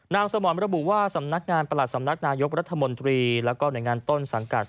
สมรระบุว่าสำนักงานประหลัดสำนักนายกรัฐมนตรีแล้วก็หน่วยงานต้นสังกัด